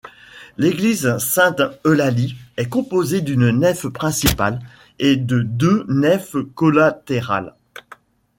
L'église Sainte-Eulalie est composée d'une nef principale et de deux nefs collatérales.